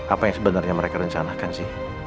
apa yang sebenarnya mereka rencanakan sih